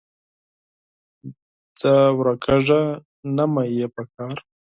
ځه ورکېږه، نه مو یې پکار